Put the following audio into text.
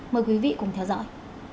mời quý vị cùng theo dõi